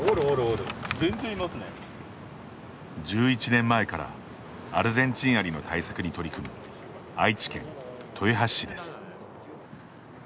１１年前からアルゼンチンアリの対策に取り組む愛知県豊橋市です。